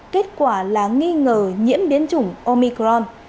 kết quả là nghi ngờ nhiễm biến chủng omicron